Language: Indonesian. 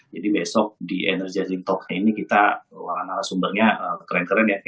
jadi besok di energizing talker ini kita akan mengalami sumbernya keren keren ya